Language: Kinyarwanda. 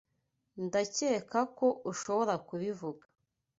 Ndakeka ko ushobora kubivuga.